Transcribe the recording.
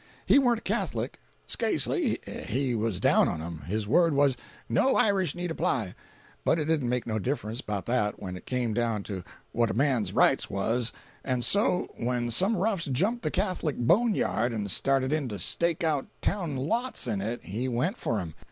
He warn't a Catholic. Scasely. He was down on 'em. His word was, 'No Irish need apply!' But it didn't make no difference about that when it came down to what a man's rights was—and so, when some roughs jumped the Catholic bone yard and started in to stake out town lots in it he went for 'em!